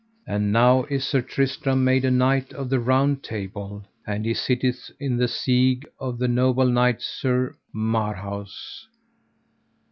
And now is Sir Tristram made a knight of the Round Table, and he sitteth in the siege of the noble knight, Sir Marhaus.